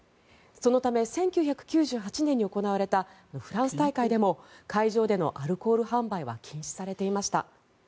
そのため、１９９８年に行われたフランス大会でも会場でのアルコール販売は禁止されていました。